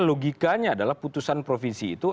logikanya adalah putusan provinsi itu